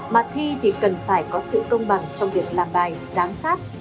mà thi thì cần phải có sự công bằng trong việc làm bài giám sát